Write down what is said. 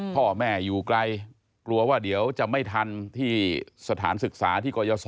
พ่อแม่อยู่ไกลกลัวว่าเดี๋ยวจะไม่ทันที่สถานศึกษาที่กรยศ